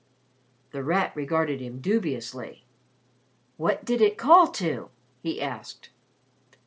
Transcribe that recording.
The Rat regarded him dubiously. "What did it call to?" he asked.